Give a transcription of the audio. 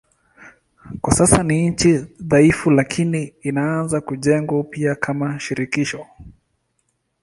Kwa sasa ni nchi dhaifu lakini inaanza kujengwa upya kama shirikisho.